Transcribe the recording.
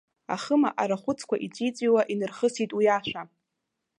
Ахымаа арахәыцқәа иҵәиҵәиуа инархысит уи ашәа.